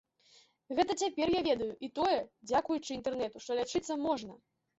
Гэта цяпер я ведаю, і тое, дзякуючы інтэрнэту, што лячыцца можна!